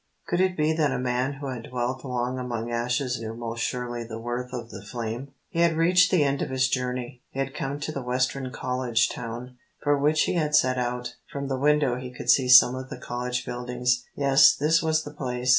Could it be that a man who had dwelt long among ashes knew most surely the worth of the flame? He had reached the end of his journey. He had come to the western college town for which he had set out. From the window he could see some of the college buildings. Yes, this was the place.